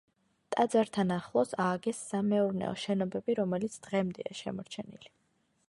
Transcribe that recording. ტაძართან ახლოს ააგეს სამეურნეო შენობები, რომელიც დღემდეა შემორჩენილი.